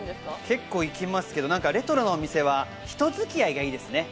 結構行きますけど、レトロなお店は人付き合いがいいですね。